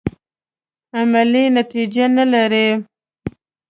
عملي نتیجه نه لري.